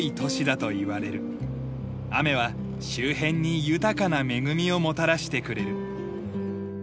雨は周辺に豊かな恵みをもたらしてくれる。